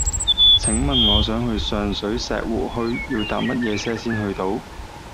請問我想去上水石湖墟要搭乜嘢車先去到